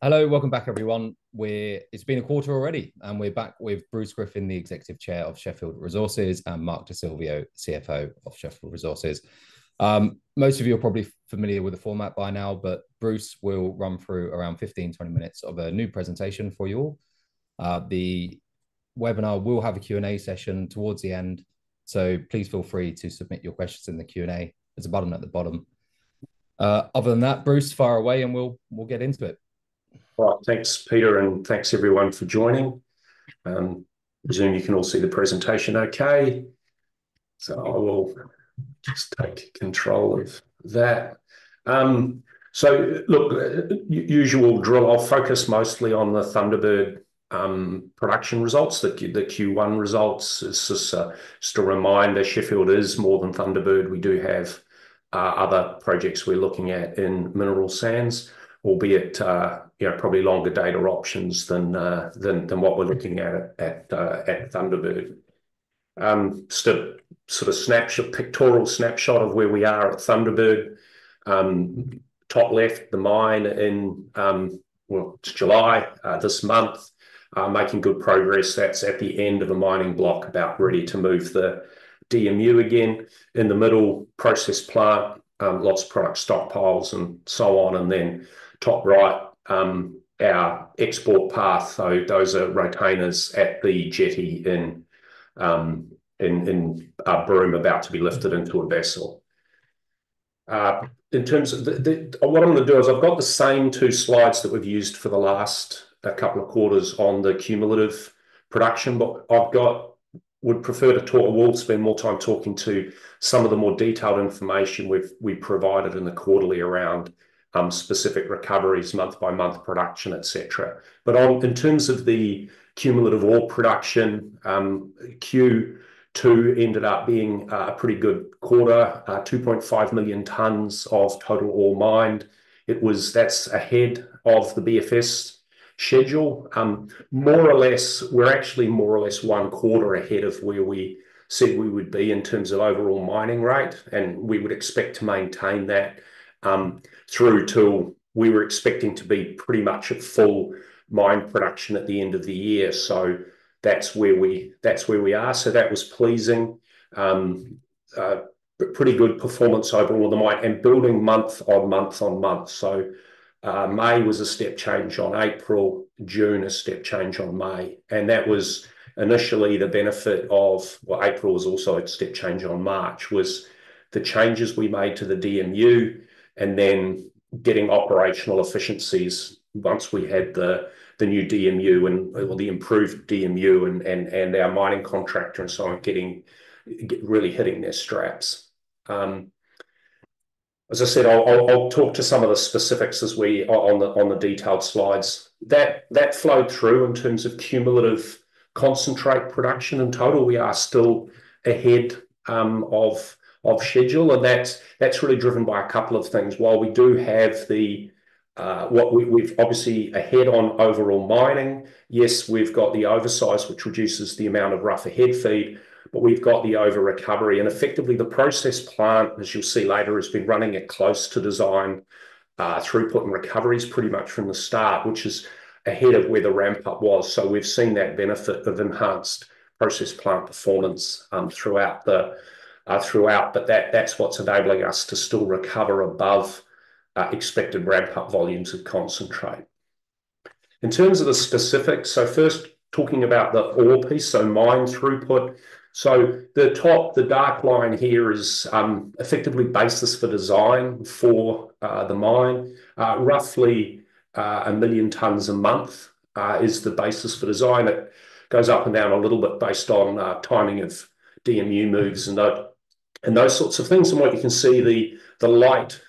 Hello, welcome back, everyone. It's been a quarter already, and we're back with Bruce Griffin, the Executive Chair of Sheffield Resources, and Mark Di Silvio, CFO of Sheffield Resources. Most of you are probably familiar with the format by now, but Bruce will run through around 15-20 minutes of a new presentation for you all. The webinar will have a Q&A session towards the end, so please feel free to submit your questions in the Q&A at the bottom. Other than that, Bruce, fire away, and we'll get into it. Well, thanks, Peter, and thanks, everyone, for joining. Presuming you can all see the presentation okay, so I will just take control of that. So look, usual drill, I'll focus mostly on the Thunderbird production results, the Q1 results. Just to remind, Sheffield is more than Thunderbird. We do have other projects we're looking at in mineral sands, albeit probably longer dated options than what we're looking at at Thunderbird. Just a sort of pictorial snapshot of where we are at Thunderbird. Top left, the mine in, well, it's July this month, making good progress. That's at the end of a mining block, about ready to move the DMU again. In the middle, process plant, lots of product stockpiles and so on. And then top right, our export path. So those are Rotainers at the jetty in Broome, about to be lifted into a vessel. What I'm going to do is I've got the same two slides that we've used for the last couple of quarters on the cumulative production, but I would prefer to talk, we'll spend more time talking to some of the more detailed information we've provided in the quarterly around specific recoveries, month-by-month production, etc. But in terms of the cumulative ore production, Q2 ended up being a pretty good quarter, 2.5 million tons of total ore mined. That's ahead of the BFS schedule. More or less, we're actually more or less one quarter ahead of where we said we would be in terms of overall mining rate, and we would expect to maintain that through till we were expecting to be pretty much at full mine production at the end of the year. So that's where we are. So that was pleasing, pretty good performance overall of the mine, and building month-on-month. So May was a step change on April, June a step change on May. And that was initially the benefit of, well, April was also a step change on March, the changes we made to the DMU and then getting operational efficiencies once we had the new DMU and the improved DMU and our mining contractor and so on really hitting their straps. As I said, I'll talk to some of the specifics on the detailed slides. That flowed through in terms of cumulative concentrate production in total. We are still ahead of schedule, and that's really driven by a couple of things. While we do have, we're obviously ahead on overall mining, yes, we've got the oversize, which reduces the amount of rougher head feed, but we've got the over-recovery. Effectively, the process plant, as you'll see later, has been running at close to design throughput and recoveries pretty much from the start, which is ahead of where the ramp-up was. So we've seen that benefit of enhanced process plant performance throughout, but that's what's enabling us to still recover above expected ramp-up volumes of concentrate. In terms of the specifics, so first talking about the ore piece, so mine throughput. So the dark line here is effectively basis for design for the mine. Roughly 1 million tons a month is the basis for design. It goes up and down a little bit based on timing of DMU moves and those sorts of things. And what you can see, the light,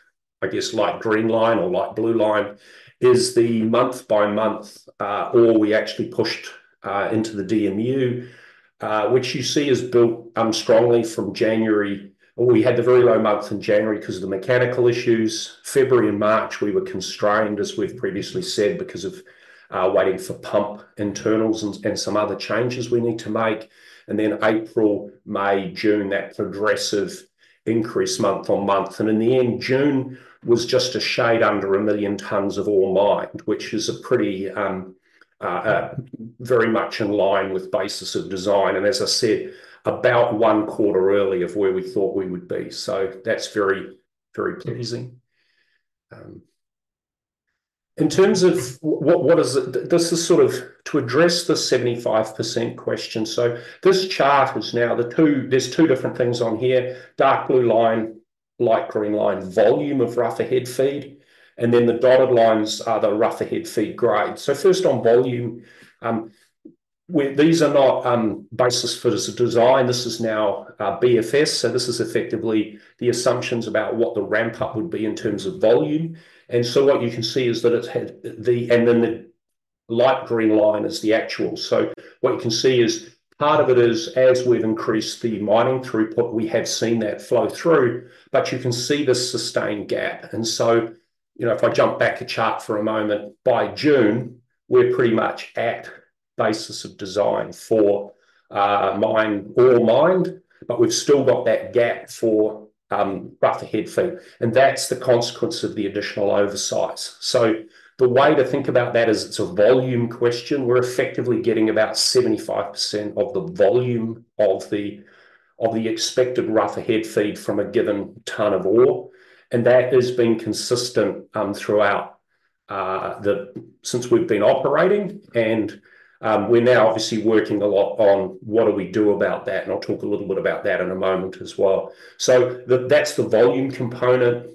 I guess, light green line or light blue line is the month-by-month ore we actually pushed into the DMU, which you see is built strongly from January. We had the very low month in January because of the mechanical issues. February and March, we were constrained, as we've previously said, because of waiting for pump internals and some other changes we need to make. And then April, May, June, that progressive increase month-on-month. And in the end, June was just a shade under 1 million tons of ore mined, which is very much in line with basis of design. And as I said, about one quarter earlier of where we thought we would be. So that's very, very pleasing. In terms of what is it, this is sort of to address the 75% question. So this chart is now there's two different things on here. Dark blue line, light green line, volume of rougher head feed. And then the dotted lines are the rougher head feed grade. So first on volume, these are not basis of design. This is now BFS. So this is effectively the assumptions about what the ramp-up would be in terms of volume. And so what you can see is that it's had the—and then the light green line is the actual. So what you can see is part of it is, as we've increased the mining throughput, we have seen that flow through, but you can see the sustained gap. And so if I jump back to chart for a moment, by June, we're pretty much at basis of design for ore mined, but we've still got that gap for rougher head feed. And that's the consequence of the additional oversize. So the way to think about that is it's a volume question. We're effectively getting about 75% of the volume of the expected rougher head feed from a given ton of ore. And that has been consistent throughout since we've been operating. And we're now obviously working a lot on what do we do about that. And I'll talk a little bit about that in a moment as well. So that's the volume component.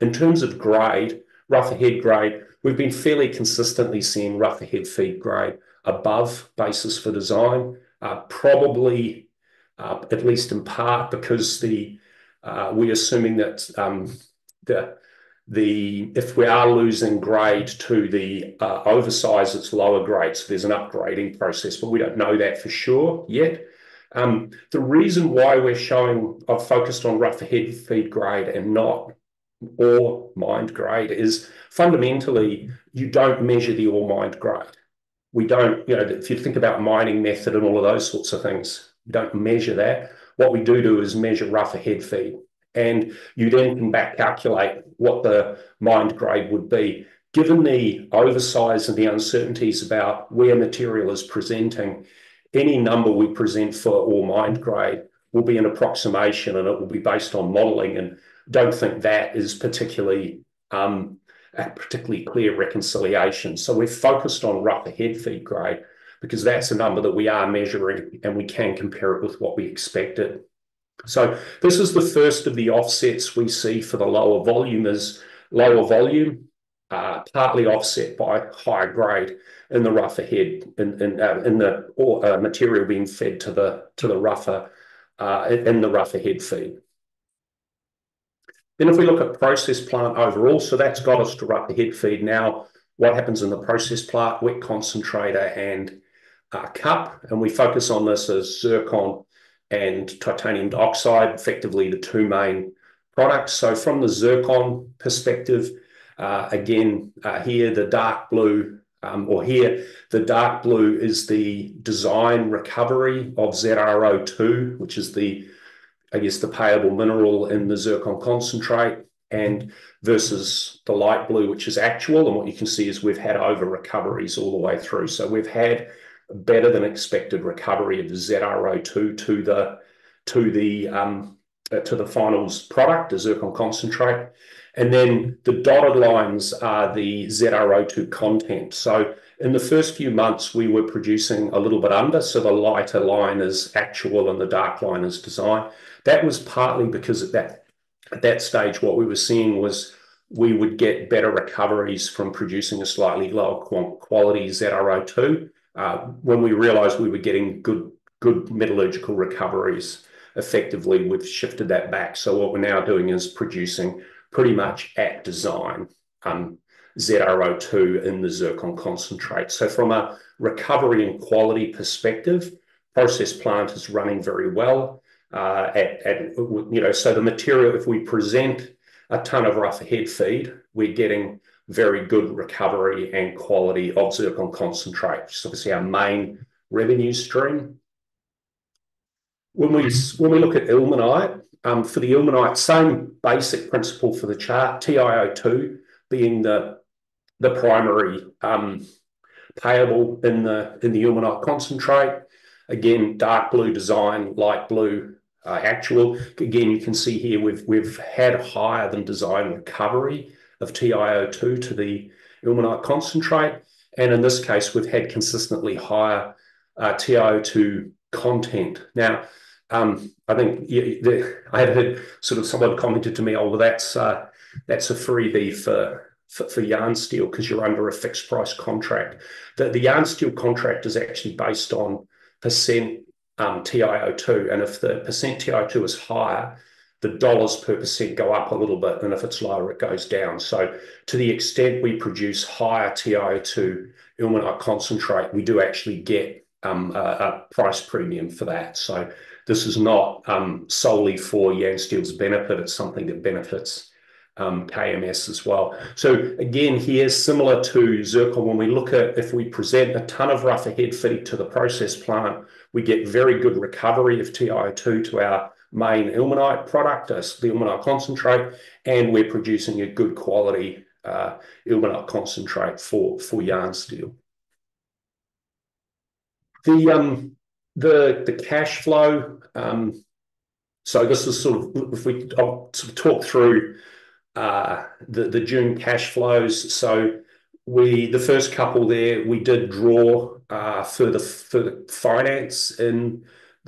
In terms of grade, rougher head grade, we've been fairly consistently seeing rougher head feed grade above basis for design, probably at least in part because we're assuming that if we are losing grade to the oversize, it's lower grade. So there's an upgrading process, but we don't know that for sure yet. The reason why we're showing a focus on rougher head feed grade and not ore mined grade is fundamentally, you don't measure the ore mined grade. If you think about mining method and all of those sorts of things, you don't measure that. What we do do is measure rougher head feed. You then can back calculate what the mined grade would be. Given the oversize and the uncertainties about where material is presenting, any number we present for ore mined grade will be an approximation, and it will be based on modeling. I don't think that is a particularly clear reconciliation. We're focused on rougher head feed grade because that's a number that we are measuring, and we can compare it with what we expected. This is the first of the offsets we see for the lower volume, partly offset by higher grade in the rougher head in the material being fed to the rougher in the rougher head feed. Then if we look at process plant overall, so that's got us to rougher head feed. Now, what happens in the process plant, wet concentrator and WCP? And we focus on this as zircon and titanium dioxide, effectively the two main products. So from the zircon perspective, again, here the dark blue, or here, the dark blue is the design recovery of ZrO₂, which is, I guess, the payable mineral in the zircon concentrate versus the light blue, which is actual. And what you can see is we've had over-recoveries all the way through. So we've had better than expected recovery of the ZrO₂ to the final product, the zircon concentrate. And then the dotted lines are the ZrO₂ content. So in the first few months, we were producing a little bit under. So the lighter line is actual and the dark line is design. That was partly because at that stage, what we were seeing was we would get better recoveries from producing a slightly lower quality ZrO₂ when we realized we were getting good metallurgical recoveries. Effectively, we've shifted that back. So what we're now doing is producing pretty much at design ZrO₂ in the zircon concentrate. So from a recovery and quality perspective, process plant is running very well. So the material, if we present a ton of rougher head feed, we're getting very good recovery and quality of zircon concentrate, which is obviously our main revenue stream. When we look at ilmenite, for the ilmenite, same basic principle for the chart, TiO₂ being the primary payable in the ilmenite concentrate. Again, dark blue design, light blue actual. Again, you can see here we've had higher than design recovery of TiO₂ to the ilmenite concentrate. In this case, we've had consistently higher TiO₂ content. Now, I think I had heard sort of someone commented to me, "Oh, well, that's a freebie for Yansteel because you're under a fixed price contract." The Yansteel contract is actually based on % TiO₂. And if the % TiO₂ is higher, the dollars per percent go up a little bit, and if it's lower, it goes down. So to the extent we produce higher TiO₂ ilmenite concentrate, we do actually get a price premium for that. So this is not solely for Yansteel's benefit. It's something that benefits KMS as well. So again, here, similar to zircon, when we look at if we present a ton of rougher head feed to the process plant, we get very good recovery of TiO₂ to our main ilmenite product, the ilmenite concentrate, and we're producing a good quality ilmenite concentrate for Yansteel. The cash flow, so this is sort of if we sort of talk through the June cash flows. So the first couple there, we did draw for the finance in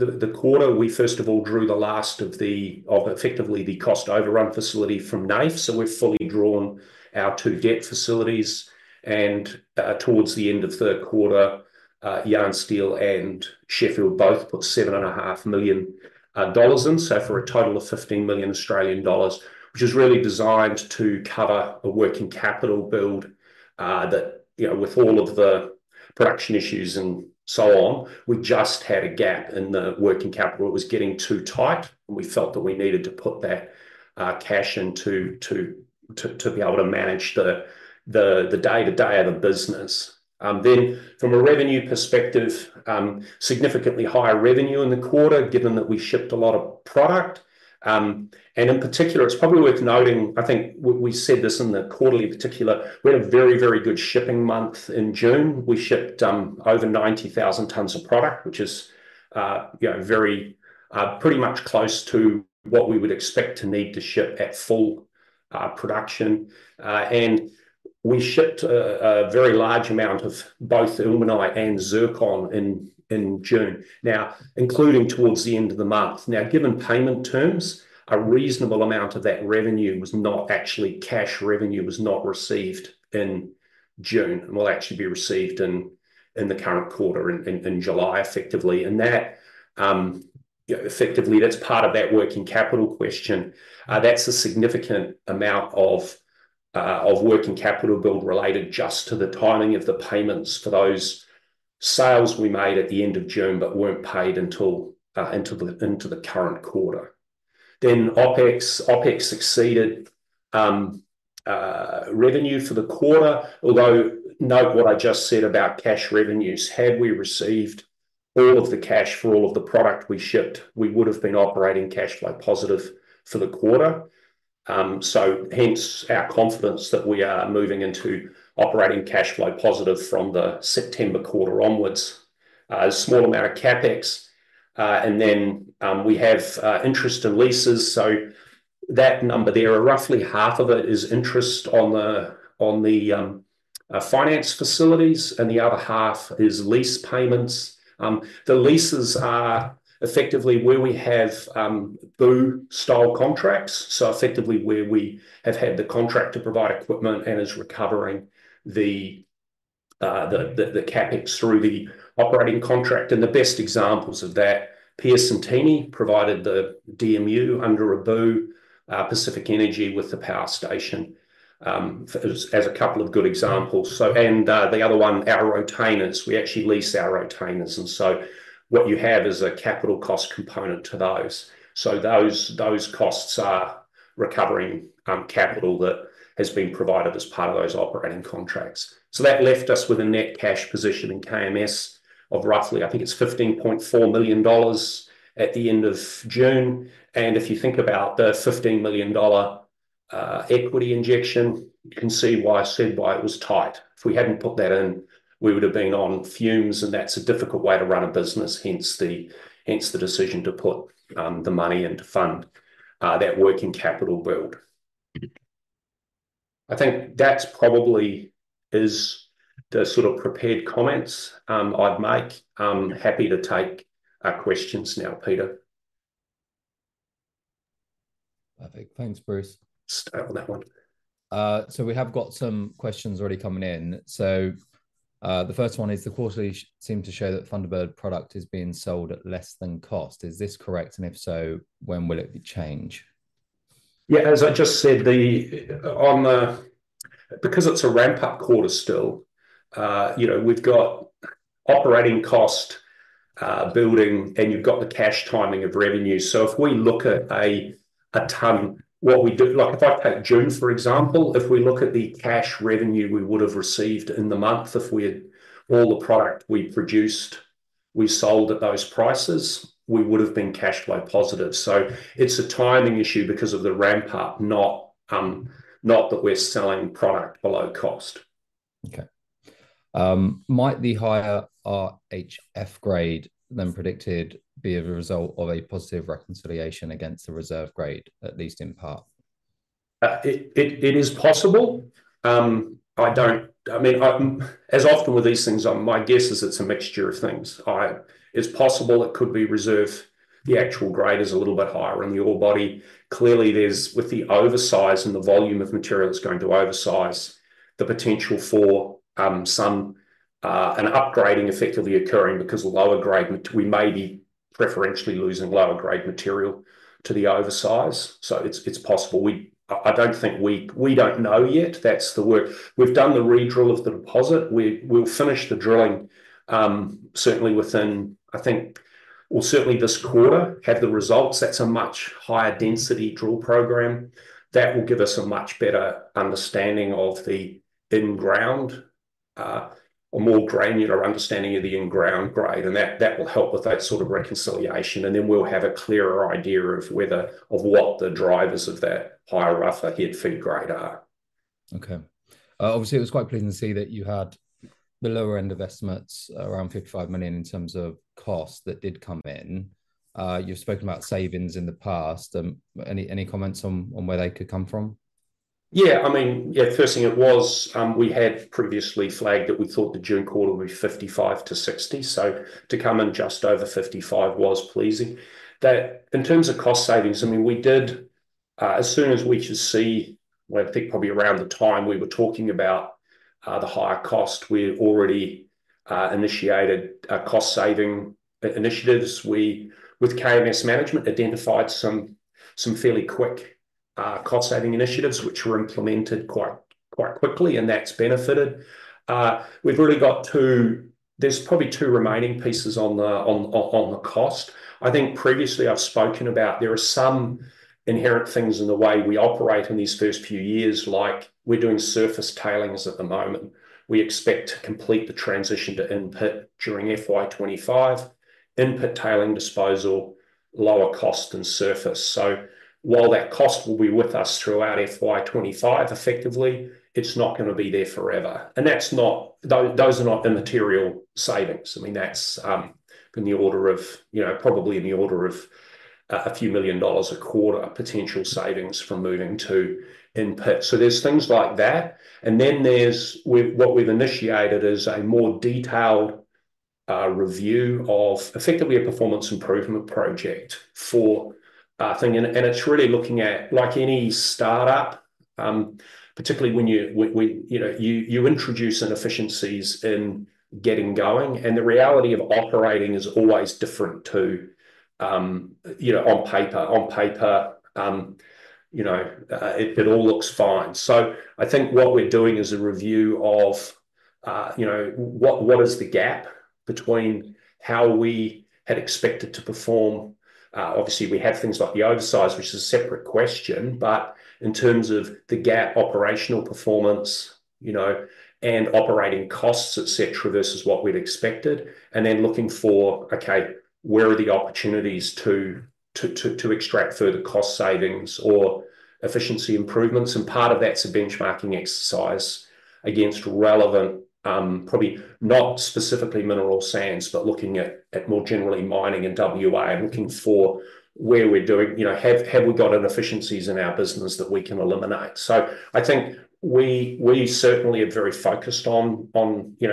the quarter. We, first of all, drew the last of effectively the cost overrun facility from NAIF. So we've fully drawn our two debt facilities. And towards the end of third quarter, Yansteel and Sheffield both put 7.5 million dollars in. So for a total of 15 million Australian dollars, which is really designed to cover a working capital build that, with all of the production issues and so on, we just had a gap in the working capital. It was getting too tight, and we felt that we needed to put that cash in to be able to manage the day-to-day of the business. Then, from a revenue perspective, significantly higher revenue in the quarter, given that we shipped a lot of product. And in particular, it's probably worth noting, I think we said this in the quarterly particular, we had a very, very good shipping month in June. We shipped over 90,000 tons of product, which is pretty much close to what we would expect to need to ship at full production. And we shipped a very large amount of both ilmenite and zircon in June, now, including towards the end of the month. Now, given payment terms, a reasonable amount of that revenue was not actually cash revenue was not received in June. It will actually be received in the current quarter in July, effectively. And effectively, that's part of that working capital question. That's a significant amount of working capital build related just to the timing of the payments for those sales we made at the end of June but weren't paid into the current quarter. Then OpEx exceeded revenue for the quarter. Although, note what I just said about cash revenues. Had we received all of the cash for all of the product we shipped, we would have been operating cash flow positive for the quarter. So hence our confidence that we are moving into operating cash flow positive from the September quarter onwards. A small amount of CapEx. And then we have interest and leases. So that number there, roughly half of it is interest on the finance facilities, and the other half is lease payments. The leases are effectively where we have BOO-style contracts. So effectively where we have had the contract to provide equipment and is recovering the CapEx through the operating contract. And the best examples of that, Piacentini provided the DMU under a BOO. Pacific Energy with the power station as a couple of good examples. And the other one, our Rotainers. We actually lease our Rotainers. And so what you have is a capital cost component to those. So those costs are recovering capital that has been provided as part of those operating contracts. So that left us with a net cash position in KMS of roughly, I think it's 15.4 million dollars at the end of June. And if you think about the 15 million dollar equity injection, you can see why I said why it was tight. If we hadn't put that in, we would have been on fumes, and that's a difficult way to run a business, hence the decision to put the money into fund that working capital build. I think that probably is the sort of prepared comments I'd make. Happy to take questions now, Peter. Perfect. Thanks, Bruce. Start on that one. So we have got some questions already coming in. So the first one is, "The quarterly seem to show that Thunderbird product is being sold at less than cost. Is this correct? And if so, when will it change?" Yeah, as I just said, because it's a ramp-up quarter still, we've got operating cost building, and you've got the cash timing of revenue. So if we look at a ton, what we do, if I take June, for example, if we look at the cash revenue we would have received in the month if all the product we produced, we sold at those prices, we would have been cash flow positive. So it's a timing issue because of the ramp-up, not that we're selling product below cost. Okay. "Might the higher RHF grade than predicted be a result of a positive reconciliation against the reserve grade, at least in part?" It is possible. I mean, as often with these things, my guess is it's a mixture of things. It's possible it could be reserve. The actual grade is a little bit higher on the ore body. Clearly, with the oversize and the volume of material that's going to oversize, the potential for an upgrading effectively occurring because lower grade, we may be preferentially losing lower grade material to the oversize. So it's possible. I don't think we don't know yet. We've done the redrill of the deposit. We'll finish the drilling certainly within, I think, we'll certainly this quarter have the results. That's a much higher density drill program. That will give us a much better understanding of the in-ground, a more granular understanding of the in-ground grade. And that will help with that sort of reconciliation. And then we'll have a clearer idea of what the drivers of that higher rougher head feed grade are. Okay. Obviously, it was quite pleasing to see that you had the lower end of estimates, around 55 million in terms of cost, that did come in. You've spoken about savings in the past. Any comments on where they could come from? Yeah. I mean, yeah, first thing, it was we had previously flagged that we thought the June quarter would be 55 million-60 million. So to come in just over 55 million was pleasing. In terms of cost savings, I mean, as soon as we could see, I think probably around the time we were talking about the higher cost, we already initiated cost-saving initiatives. With KMS management, identified some fairly quick cost-saving initiatives, which were implemented quite quickly, and that's benefited. We've really got two there's probably two remaining pieces on the cost. I think previously I've spoken about there are some inherent things in the way we operate in these first few years, like we're doing surface tailings at the moment. We expect to complete the transition to in-pit during FY 2025, in-pit tailings disposal, lower cost than surface. So while that cost will be with us throughout FY 2025, effectively, it's not going to be there forever. And those are not immaterial savings. I mean, that's in the order of probably in the order of a few million Australian dollars a quarter, potential savings from moving to in-pit. So there's things like that. And then what we've initiated is a more detailed review of effectively a performance improvement project for, I think, and it's really looking at, like any startup, particularly when you introduce inefficiencies in getting going. And the reality of operating is always different to on paper. On paper, it all looks fine. So I think what we're doing is a review of what is the gap between how we had expected to perform. Obviously, we have things like the oversize, which is a separate question, but in terms of the gap, operational performance, and operating costs, etc., versus what we'd expected. And then looking for, okay, where are the opportunities to extract further cost savings or efficiency improvements. And part of that's a benchmarking exercise against relevant, probably not specifically mineral sands, but looking at more generally mining and WA, looking for where we're doing, have we got inefficiencies in our business that we can eliminate. So I think we certainly are very focused on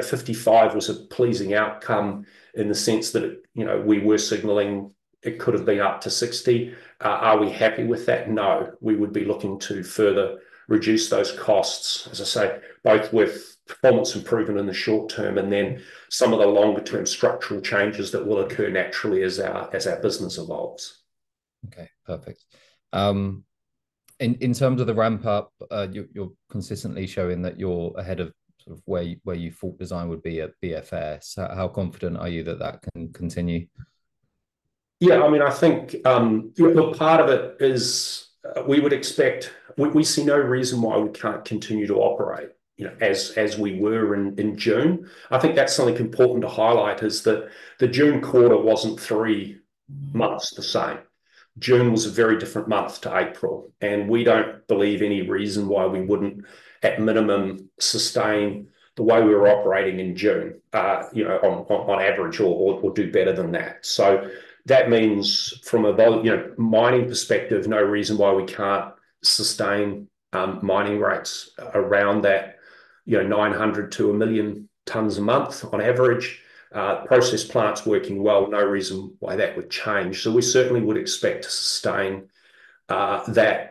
55 was a pleasing outcome in the sense that we were signaling it could have been up to 60. Are we happy with that? No. We would be looking to further reduce those costs, as I say, both with performance improvement in the short term and then some of the longer-term structural changes that will occur naturally as our business evolves. Okay. Perfect. In terms of the ramp-up, you're consistently showing that you're ahead of sort of where you thought design would be at BFS. How confident are you that that can continue? Yeah. I mean, I think part of it is we would expect we see no reason why we can't continue to operate as we were in June. I think that's something important to highlight is that the June quarter wasn't three months the same. June was a very different month to April. And we don't believe any reason why we wouldn't, at minimum, sustain the way we were operating in June on average or do better than that. So that means from a mining perspective, no reason why we can't sustain mining rates around that 900 to 1 million tons a month on average. Process plants working well, no reason why that would change. So we certainly would expect to sustain that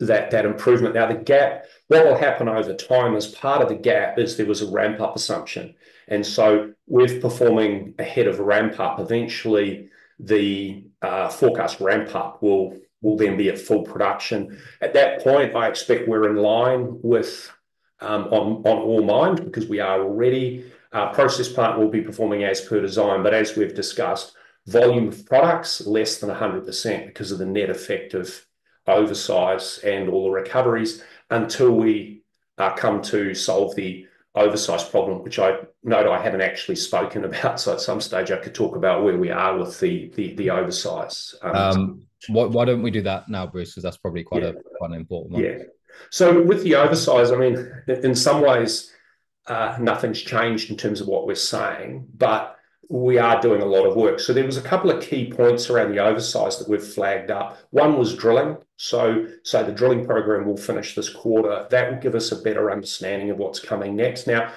improvement. Now, the gap, what will happen over time as part of the gap is there was a ramp-up assumption. And so with performing ahead of ramp-up, eventually the forecast ramp-up will then be at full production. At that point, I expect we're in line with on ore mined because we are already. Process plant will be performing as per design. But as we've discussed, volume of products, less than 100% because of the net effect of oversize and all the recoveries until we come to solve the oversize problem, which I note I haven't actually spoken about. So at some stage, I could talk about where we are with the oversize. Why don't we do that now, Bruce, because that's probably quite an important one. Yeah. So with the oversize, I mean, in some ways, nothing's changed in terms of what we're saying, but we are doing a lot of work. So there was a couple of key points around the oversize that we've flagged up. One was drilling. So the drilling program will finish this quarter. That will give us a better understanding of what's coming next. Now,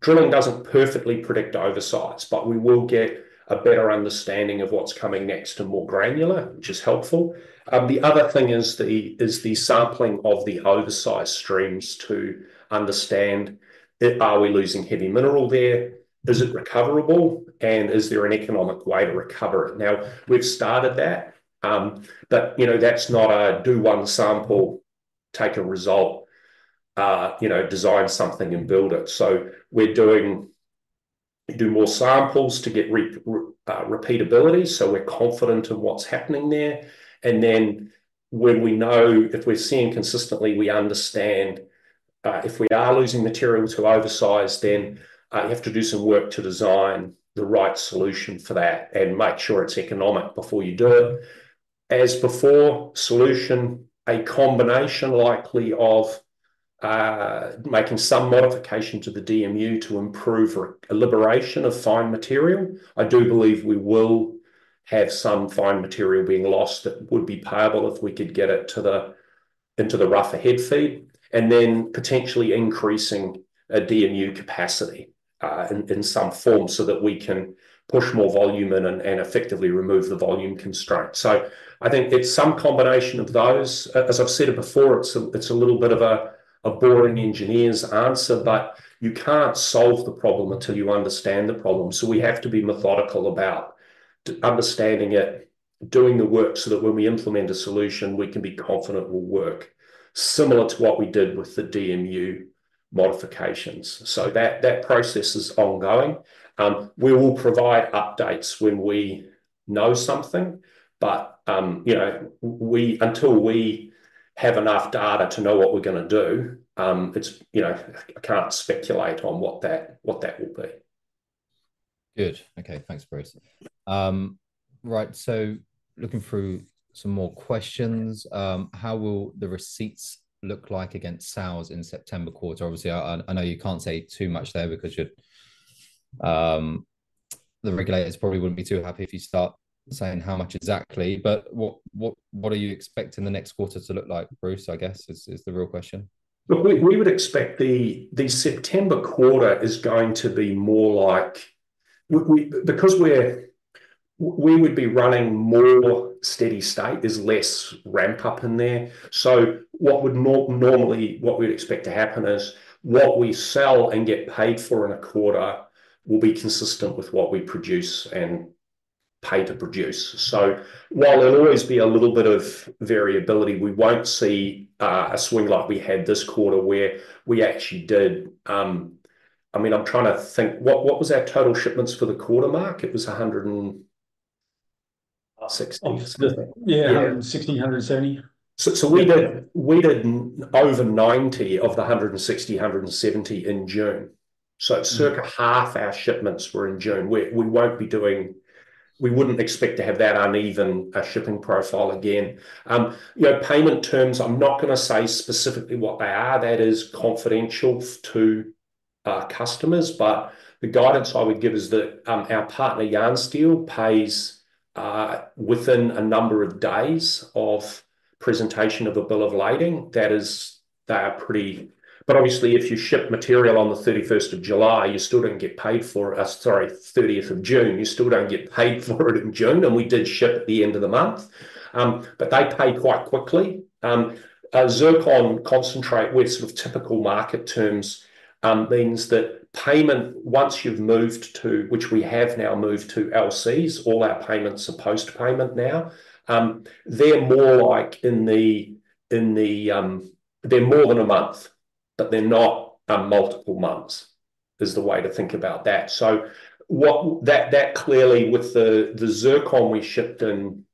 drilling doesn't perfectly predict oversize, but we will get a better understanding of what's coming next and more granular, which is helpful. The other thing is the sampling of the oversize streams to understand, are we losing heavy mineral there? Is it recoverable? And is there an economic way to recover it? Now, we've started that, but that's not a do one sample, take a result, design something, and build it. So we're doing more samples to get repeatability so we're confident in what's happening there. And then when we know if we're seeing consistently, we understand if we are losing material to oversize, then you have to do some work to design the right solution for that and make sure it's economic before you do it. As before, solution, a combination likely of making some modification to the DMU to improve a liberation of fine material. I do believe we will have some fine material being lost that would be payable if we could get it into the rougher head feed. And then potentially increasing a DMU capacity in some form so that we can push more volume in and effectively remove the volume constraint. So I think it's some combination of those. As I've said before, it's a little bit of a boring engineer's answer, but you can't solve the problem until you understand the problem. So we have to be methodical about understanding it, doing the work so that when we implement a solution, we can be confident it will work, similar to what we did with the DMU modifications. So that process is ongoing. We will provide updates when we know something, but until we have enough data to know what we're going to do, I can't speculate on what that will be. Good. Okay. Thanks, Bruce. Right. So looking through some more questions. How will the receipts look like against sales in September quarter? Obviously, I know you can't say too much there because the regulators probably wouldn't be too happy if you start saying how much exactly. But what are you expecting the next quarter to look like, Bruce, I guess, is the real question. We would expect the September quarter is going to be more like because we would be running more steady state. There's less ramp-up in there. So what would normally what we'd expect to happen is what we sell and get paid for in a quarter will be consistent with what we produce and pay to produce. So while there'll always be a little bit of variability, we won't see a swing like we had this quarter where we actually did. I mean, I'm trying to think. What was our total shipments for the quarter Mark? It was 160. Yeah, 160, 170. So we did over 90 of the 160, 170 in June. So circa half our shipments were in June. We wouldn't expect to have that uneven shipping profile again. Payment terms, I'm not going to say specifically what they are. That is confidential to customers. But the guidance I would give is that our partner, Yansteel, pays within a number of days of presentation of a bill of lading. That is, they are pretty. But obviously, if you ship material on the 31st of July, you still don't get paid for it. Sorry, 30th of June, you still don't get paid for it in June. And we did ship at the end of the month. But they pay quite quickly. Zircon concentrate with sort of typical market terms means that payment, once you've moved to, which we have now moved to LCs, all our payments are post-payment now. They're more like in the they're more than a month, but they're not multiple months is the way to think about that. So that clearly with the Zircon we shipped in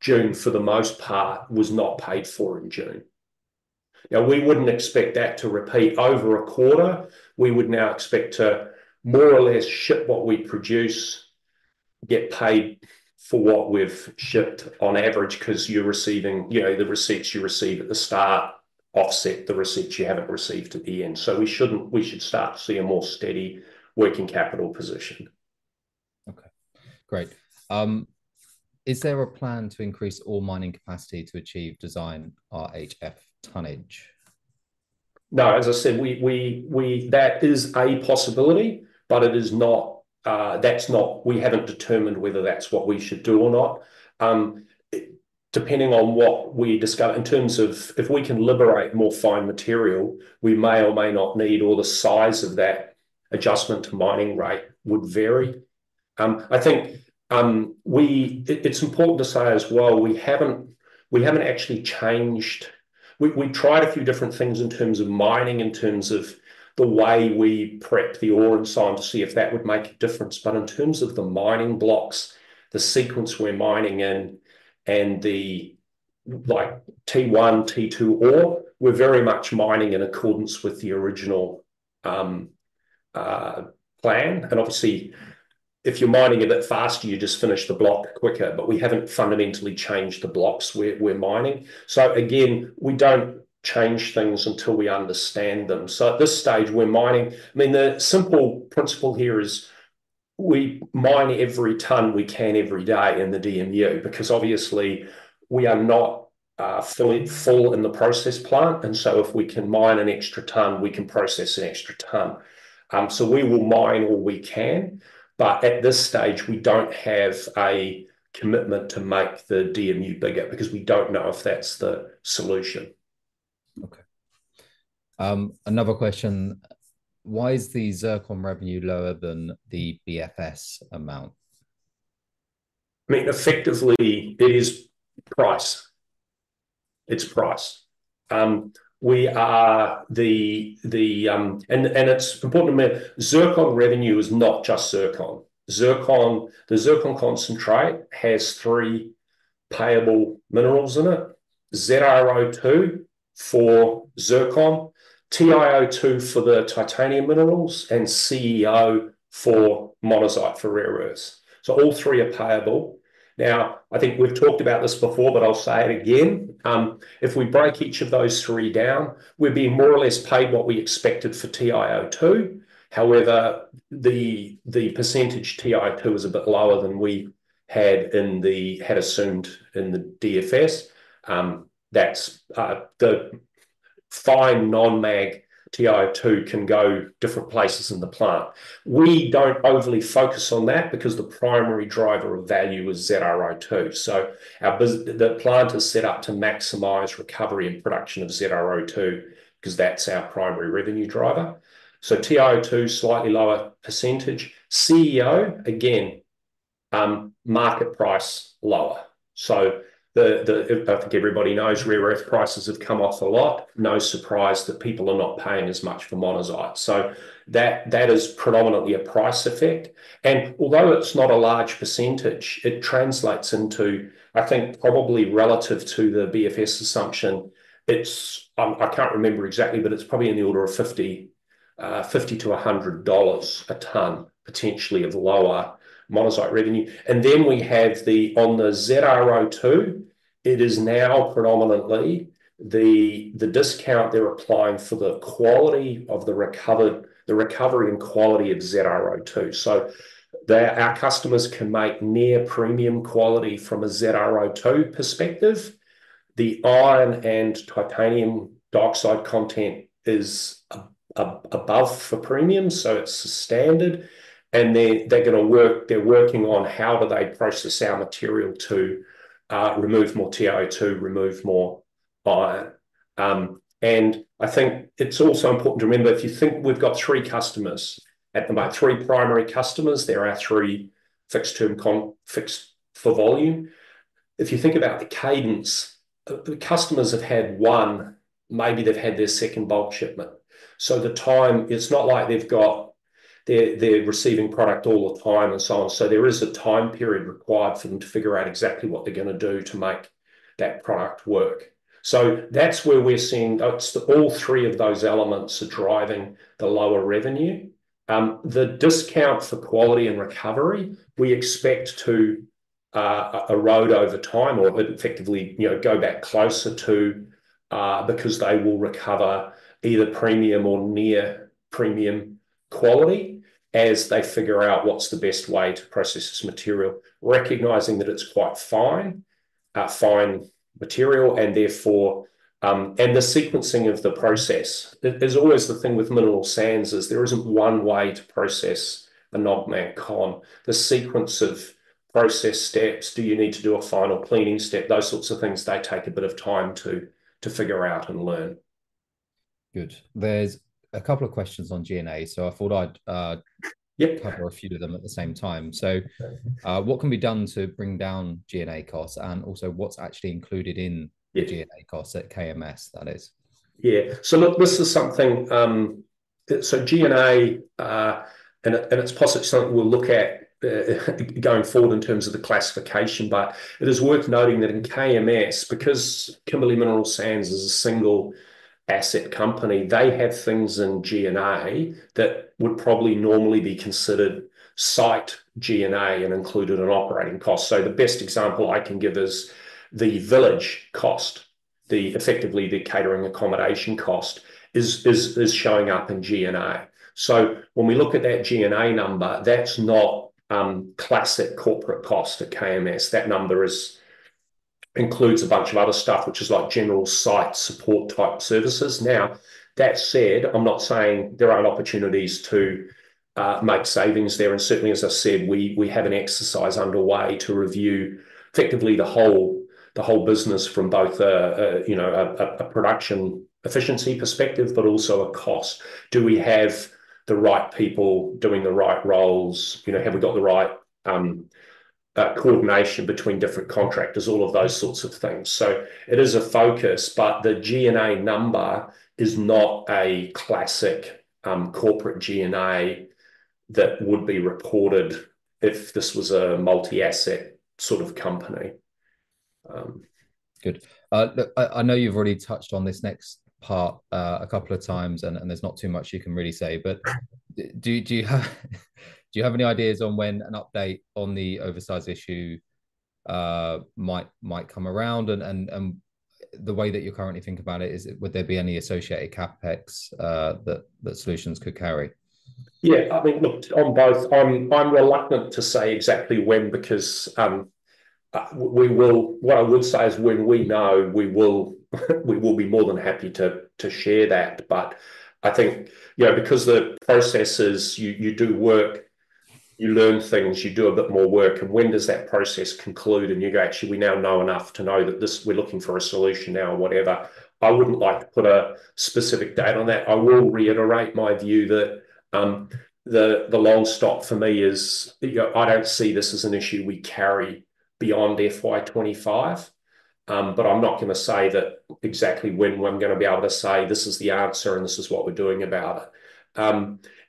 June for the most part was not paid for in June. We wouldn't expect that to repeat over a quarter. We would now expect to more or less ship what we produce, get paid for what we've shipped on average because you're receiving the receipts you receive at the start offset the receipts you haven't received at the end. So we should start to see a more steady working capital position. Okay. Great. Is there a plan to increase all mining capacity to achieve design RHF tonnage? No, as I said, that is a possibility, but that's not we haven't determined whether that's what we should do or not. Depending on what we discover in terms of if we can liberate more fine material, we may or may not need or the size of that adjustment to mining rate would vary. I think it's important to say as well, we haven't actually changed. We tried a few different things in terms of mining, in terms of the way we prepped the ore and so on to see if that would make a difference. But in terms of the mining blocks, the sequence we're mining in and the T1 + T2 ore, we're very much mining in accordance with the original plan. And obviously, if you're mining a bit faster, you just finish the block quicker. But we haven't fundamentally changed the blocks we're mining. So again, we don't change things until we understand them. So at this stage, we're mining. I mean, the simple principle here is we mine every ton we can every day in the DMU because obviously, we are not full in the process plant. So if we can mine an extra ton, we can process an extra ton. So we will mine all we can. But at this stage, we don't have a commitment to make the DMU bigger because we don't know if that's the solution. Okay. Another question. Why is the zircon revenue lower than the BFS amount? I mean, effectively, it is price. It's price. We are the and it's important to me. Zircon revenue is not just zircon. The zircon concentrate has three payable minerals in it: ZrO₂ for zircon, TiO₂ for the titanium minerals, and CeO for monazite for rare earths. So all three are payable. Now, I think we've talked about this before, but I'll say it again. If we break each of those three down, we're being more or less paid what we expected for TiO₂. However, the TiO₂ percentage is a bit lower than we had assumed in the DFS. That's the fine non-mag TiO₂ can go different places in the plant. We don't overly focus on that because the primary driver of value is ZrO₂. So the plant is set up to maximize recovery and production of ZrO₂ because that's our primary revenue driver. So TiO₂, slightly lower percentage. CeO, again, market price lower. So I think everybody knows rare earth prices have come off a lot. No surprise that people are not paying as much for monazite. So that is predominantly a price effect. And although it's not a large percentage, it translates into, I think, probably relative to the BFS assumption, I can't remember exactly, but it's probably in the order of 50-100 dollars a ton, potentially of lower monazite revenue. And then we have on the ZrO₂; it is now predominantly the discount they're applying for the quality of the recovery and quality of ZrO₂. So our customers can make near premium quality from a ZrO₂ perspective. The iron and titanium dioxide content is above for premium, so it's standard. And they're going to work; they're working on how do they process our material to remove more TiO₂, remove more iron. And I think it's also important to remember if you think we've got three customers at the moment, three primary customers; there are three fixed term for volume. If you think about the cadence, the customers have had one; maybe they've had their second bulk shipment. So the time, it's not like they've got; they're receiving product all the time and so on. So there is a time period required for them to figure out exactly what they're going to do to make that product work. So that's where we're seeing all three of those elements are driving the lower revenue. The discount for quality and recovery, we expect to erode over time or effectively go back closer to because they will recover either premium or near premium quality as they figure out what's the best way to process this material, recognizing that it's quite fine material and therefore and the sequencing of the process. There's always the thing with mineral sands is there isn't one way to process a non-,mag con. The sequence of process steps, do you need to do a final cleaning step? Those sorts of things, they take a bit of time to figure out and learn. Good. There's a couple of questions on G&A, so I thought I'd cover a few of them at the same time. So what can be done to bring down G&A costs and also what's actually included in the G&A costs at KMS, that is? Yeah. So look, this is something, so G&A and it's possibly something we'll look at going forward in terms of the classification, but it is worth noting that in KMS, because Kimberley Mineral Sands is a single asset company, they have things in G&A that would probably normally be considered site G&A and included in operating costs. So the best example I can give is the village cost, effectively the catering accommodation cost is showing up in G&A. So when we look at that G&A number, that's not classic corporate costs for KMS. That number includes a bunch of other stuff, which is like general site support type services. Now, that said, I'm not saying there aren't opportunities to make savings there. And certainly, as I said, we have an exercise underway to review effectively the whole business from both a production efficiency perspective, but also a cost. Do we have the right people doing the right roles? Have we got the right coordination between different contractors? All of those sorts of things. So it is a focus, but the G&A number is not a classic corporate G&A that would be reported if this was a multi-asset sort of company. Good. I know you've already touched on this next part a couple of times, and there's not too much you can really say. But do you have any ideas on when an update on the oversize issue might come around? And the way that you currently think about it, would there be any associated CapEx that solutions could carry? Yeah. I mean, look, I'm reluctant to say exactly when because what I would say is when we know, we will be more than happy to share that. But I think because the process is you do work, you learn things, you do a bit more work. And when does that process conclude and you go, "Actually, we now know enough to know that we're looking for a solution now or whatever," I wouldn't like to put a specific date on that. I will reiterate my view that the long stop for me is I don't see this as an issue we carry beyond FY 2025. But I'm not going to say that exactly when I'm going to be able to say, "This is the answer, and this is what we're doing about it."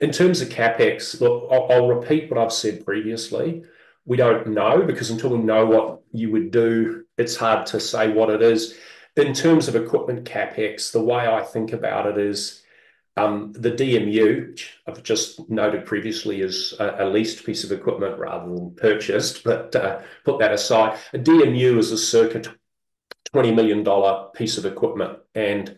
In terms of CapEx, look, I'll repeat what I've said previously. We don't know because until we know what you would do, it's hard to say what it is. In terms of equipment CapEx, the way I think about it is the DMU, which I've just noted previously is a leased piece of equipment rather than purchased. But put that aside. A DMU is a circa 20 million dollar piece of equipment. And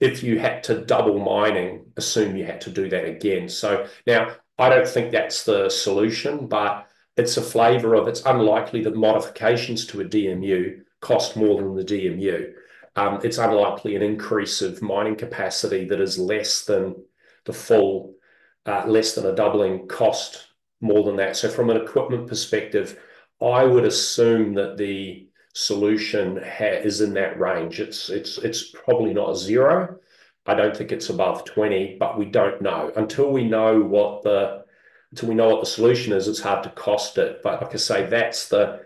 if you had to double mining, assume you had to do that again. So now, I don't think that's the solution, but it's a flavor of it's unlikely that modifications to a DMU cost more than the DMU. It's unlikely an increase of mining capacity that is less than the full less than a doubling cost more than that. So from an equipment perspective, I would assume that the solution is in that range. It's probably not zero. I don't think it's above 20, but we don't know. Until we know what the solution is, it's hard to cost it. But I can say that's the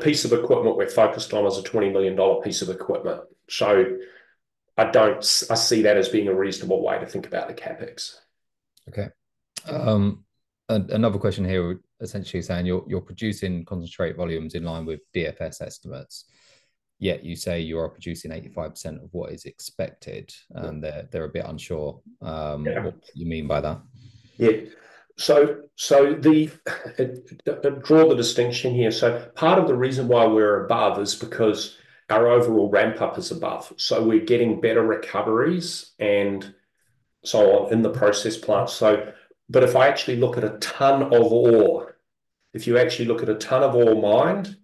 piece of equipment we're focused on as an 20 million dollar piece of equipment. So I see that as being a reasonable way to think about the CapEx. Okay. Another question here, essentially saying you're producing concentrate volumes in line with DFS estimates. Yet you say you are producing 85% of what is expected. They're a bit unsure what you mean by that. Yeah. So draw the distinction here. So part of the reason why we're above is because our overall ramp-up is above. So we're getting better recoveries and so on in the process plant. But if I actually look at a ton of ore, if you actually look at a ton of ore mined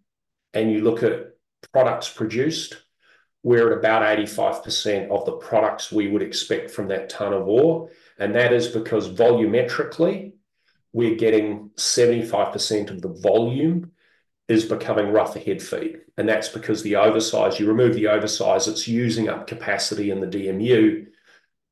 and you look at products produced, we're at about 85% of the products we would expect from that ton of ore. And that is because volumetrically, we're getting 75% of the volume is becoming rougher head feed. And that's because the oversize, you remove the oversize, it's using up capacity in the DMU.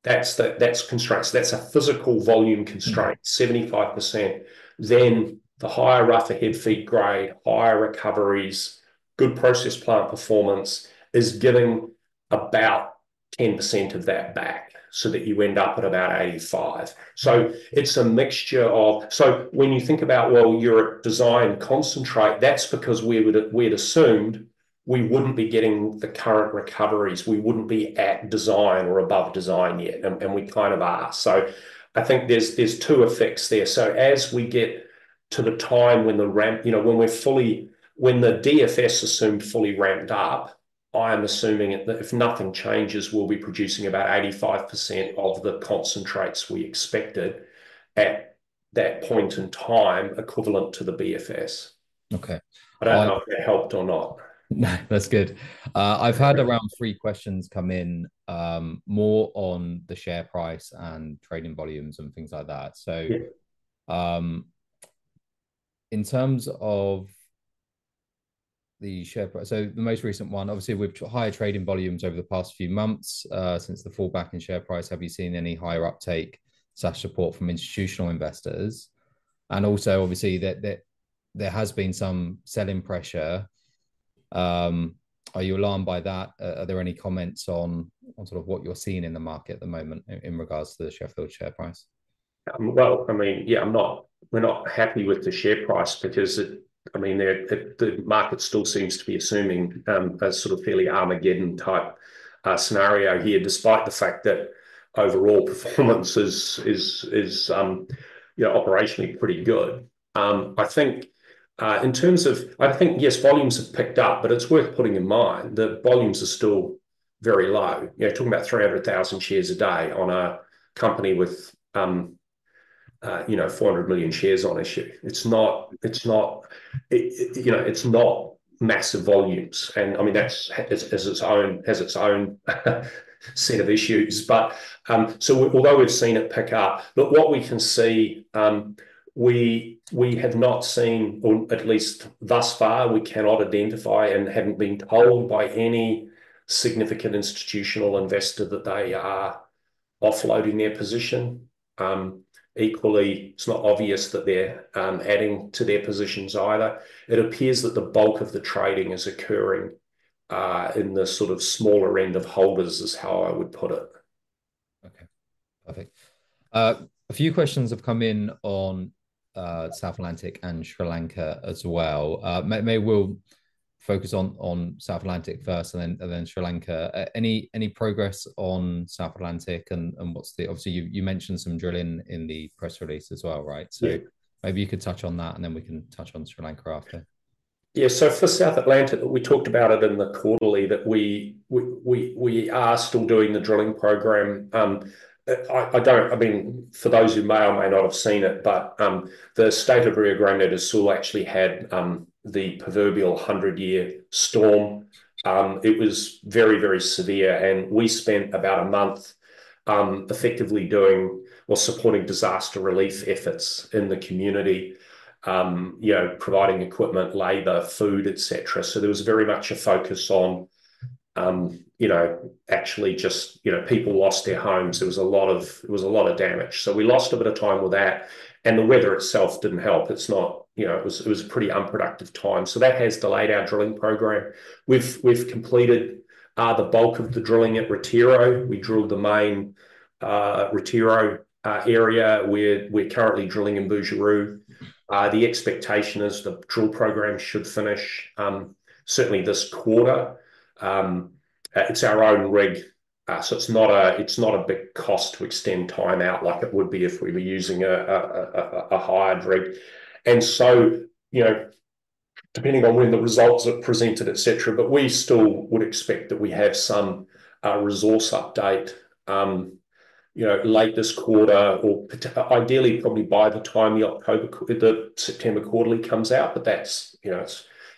That's a physical volume constraint, 75%. Then the higher rougher head feed grade, higher recoveries, good process plant performance is giving about 10% of that back so that you end up at about 85%. So it's a mixture of so when you think about, well, you're at design concentrate. That's because we'd assumed we wouldn't be getting the current recoveries. We wouldn't be at design or above design yet. And we kind of are. So I think there's 2 effects there. So as we get to the time when the ramp, when we're fully, when the DFS is assumed fully ramped up, I'm assuming that if nothing changes, we'll be producing about 85% of the concentrates we expected at that point in time equivalent to the BFS. I don't know if that helped or not. No, that's good. I've heard around 3 questions come in more on the share price and trading volumes and things like that. So in terms of the share price, so the most recent one, obviously, we've had higher trading volumes over the past few months since the fallback in share price. Have you seen any higher uptake/support from institutional investors? And also, obviously, there has been some selling pressure. Are you alarmed by that? Are there any comments on sort of what you're seeing in the market at the moment in regards to the Sheffield share price? Well, I mean, yeah, we're not happy with the share price because, I mean, the market still seems to be assuming a sort of fairly Armageddon type scenario here, despite the fact that overall performance is operationally pretty good. I think in terms of I think, yes, volumes have picked up, but it's worth putting in mind that volumes are still very low. You're talking about 300,000 shares a day on a company with 400 million shares on issue. It's not massive volumes. And I mean, that has its own set of issues. But so although we've seen it pick up, look, what we can see, we have not seen, or at least thus far, we cannot identify and haven't been told by any significant institutional investor that they are offloading their position. Equally, it's not obvious that they're adding to their positions either. It appears that the bulk of the trading is occurring in the sort of smaller end of holders is how I would put it. Okay. Perfect. A few questions have come in on South Atlantic and Sri Lanka as well. Maybe we'll focus on South Atlantic first and then Sri Lanka. Any progress on South Atlantic and what's the obviously, you mentioned some drilling in the press release as well, right? So maybe you could touch on that, and then we can touch on Sri Lanka after. Yeah. So for South Atlantic, we talked about it in the quarterly that we are still doing the drilling program. I mean, for those who may or may not have seen it, but the state of Rio Grande do Sul actually had the proverbial 100-year storm. It was very, very severe. And we spent about a month effectively doing or supporting disaster relief efforts in the community, providing equipment, labor, food, etc. So there was very much a focus on actually just people lost their homes. It was a lot of damage. So we lost a bit of time with that. And the weather itself didn't help. It was a pretty unproductive time. That has delayed our drilling program. We've completed the bulk of the drilling at Retiro. We drilled the main Retiro area. We're currently drilling in Bujuru. The expectation is the drill program should finish certainly this quarter. It's our own rig. It's not a big cost to extend time out like it would be if we were using a hired rig. Depending on when the results are presented, etc., but we still would expect that we have some resource update late this quarter or ideally probably by the time the September quarterly comes out.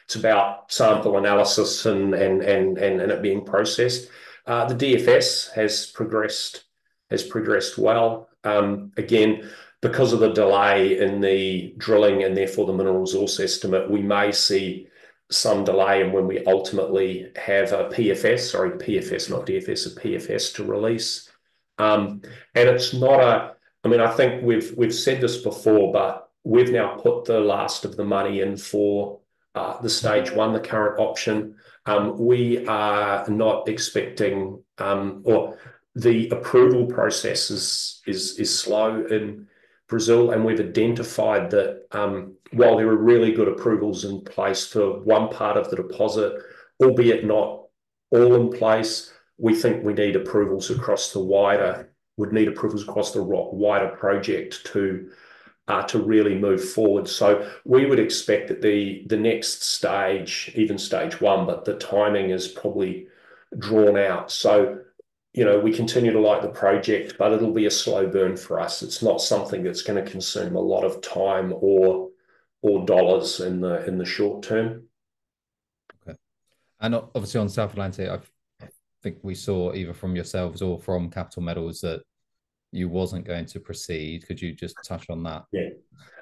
It's about sample analysis and it being processed. The DFS has progressed well. Again, because of the delay in the drilling and therefore the mineral resource estimate, we may see some delay in when we ultimately have a PFS or a PFS, not DFS, a PFS to release. And it's not a, I mean, I think we've said this before, but we've now put the last of the money in for the stage one, the current option. We are not expecting or the approval process is slow in Brazil. And we've identified that while there are really good approvals in place for one part of the deposit, albeit not all in place, we think we need approvals across the wider would need approvals across the wider project to really move forward. So we would expect that the next stage, even stage one, but the timing is probably drawn out. So we continue to like the project, but it'll be a slow burn for us. It's not something that's going to consume a lot of time or dollars in the short term. Okay. And obviously, on South Atlantic, I think we saw either from yourselves or from Capital Metals that you wasn't going to proceed. Could you just touch on that? Yeah.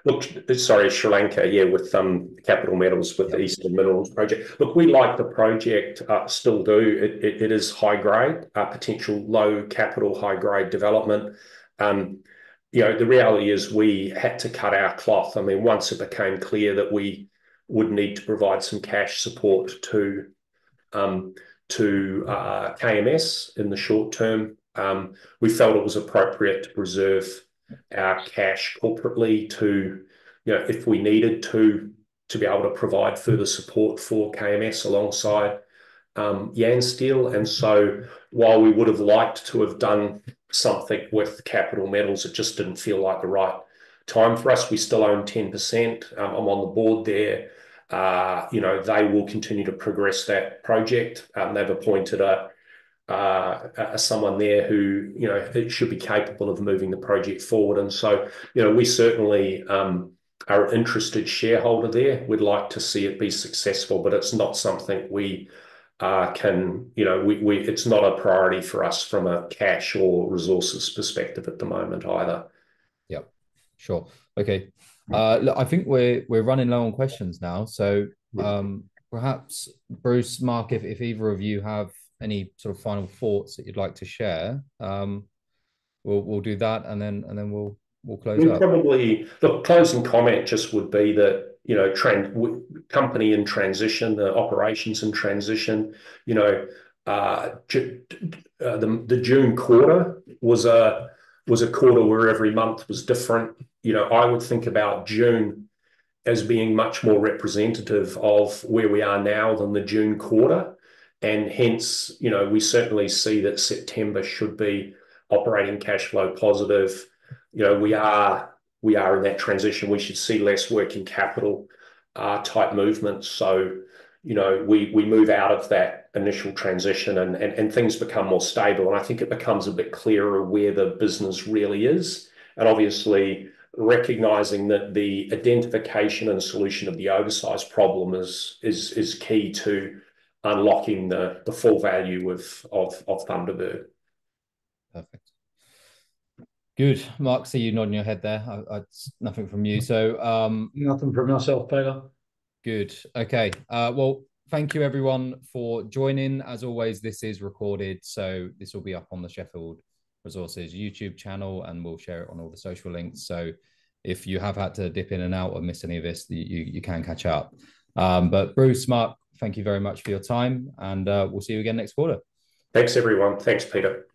Look, sorry, Sri Lanka, yeah, with Capital Metals with the Eastern Minerals Project. Look, we like the project, still do. It is high-grade, potential low capital, high-grade development. The reality is we had to cut our cloth. I mean, once it became clear that we would need to provide some cash support to KMS in the short term, we felt it was appropriate to preserve our cash corporately if we needed to be able to provide further support for KMS alongside Yansteel. And so while we would have liked to have done something with Capital Metals, it just didn't feel like the right time for us. We still own 10%. I'm on the board there. They will continue to progress that project. They've appointed someone there who should be capable of moving the project forward. And so we certainly are an interested shareholder there. We'd like to see it be successful, but it's not something we can—it's not a priority for us from a cash or resources perspective at the moment either. Yep. Sure. Okay. I think we're running low on questions now. So perhaps, Bruce, Mark, if either of you have any sort of final thoughts that you'd like to share, we'll do that, and then we'll close up. Look, probably the closing comment just would be that company in transition, the operations in transition. The June quarter was a quarter where every month was different. I would think about June as being much more representative of where we are now than the June quarter. And hence, we certainly see that September should be operating cash flow positive. We are in that transition. We should see less working capital type movements. So we move out of that initial transition, and things become more stable. And I think it becomes a bit clearer where the business really is. And obviously, recognizing that the identification and solution of the oversized problem is key to unlocking the full value of Thunderbird. Perfect. Good. Mark, see you nodding your head there. Nothing from you. So nothing from myself, Peter. Good. Okay. Well, thank you, everyone, for joining. As always, this is recorded. This will be up on the Sheffield Resources YouTube channel, and we'll share it on all the social links. If you have had to dip in and out or miss any of this, you can catch up. But Bruce, Mark, thank you very much for your time. We'll see you again next quarter. Thanks, everyone. Thanks, Peter.